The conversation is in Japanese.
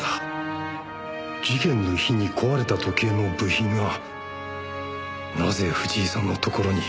事件の日に壊れた時計の部品がなぜ藤井さんのところに。